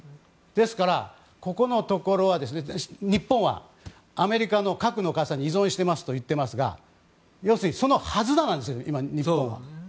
ですから、ここのところは日本はアメリカの核の傘に依存していますと言っていますが要するにそのはずだなんです日本は。